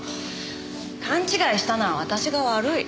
勘違いしたのは私が悪い。